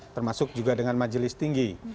termasuk juga dengan majelis tinggi